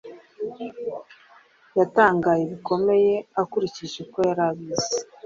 yaatangaye bikomeye akurikije uko yari abizi